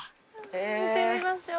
行ってみましょう。